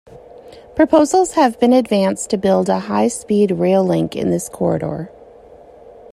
Proposals have been advanced to build a high-speed rail link in this corridor.